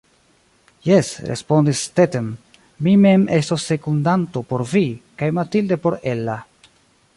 Jes, respondis Stetten, mi mem estos sekundanto por vi, kaj Mathilde por Ella.